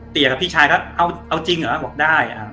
กับพี่ชายก็เอาจริงเหรอบอกได้